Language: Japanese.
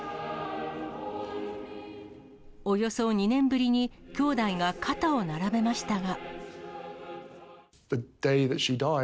およそ２年ぶりに、兄弟が肩を並べましたが。